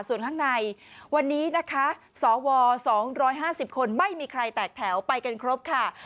ส่วนข้างในวันนี้นะคะสว๒๕๐คนไม่มีใครแตกแถวไปกันครบค่ะ